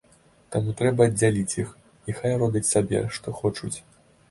Таму трэба аддзяліць іх, і хай робяць сабе, што хочуць.